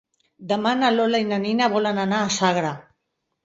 Demà na Lola i na Nina volen anar a Sagra.